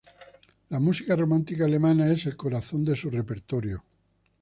La música romántica alemana es el corazón de su repertorio.